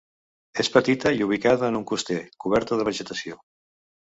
És petita i ubicada en un coster, coberta de vegetació.